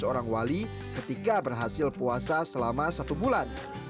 seorang wali ketika berhasil puasa selama satu bulan